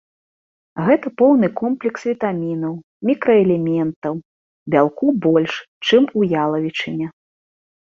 Гэта поўны комплекс вітамінаў, мікраэлементаў, бялку больш, чым у ялавічыне.